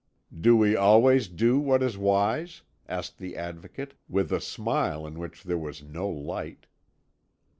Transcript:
"Do we always do what is wise?" asked the Advocate, with a smile in which there was no light.